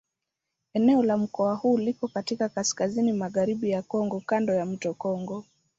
Eneo la mkoa huu liko katika kaskazini-magharibi ya Kongo kando ya mto Kongo.